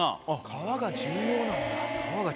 皮が重要なんだ。